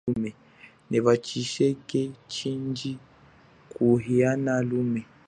Neva tshiseke tshindji kuhiana lume.